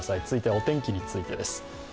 続いてはお天気についてです。